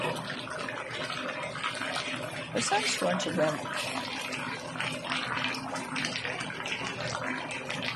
Her sons, George and William, eventually inherited the property.